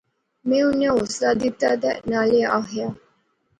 میں انیں حوصلہ دتا تہ نالے آخیا